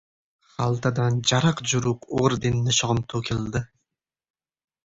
Xaltadan jaraq-juruq orden-nishon to‘kildi.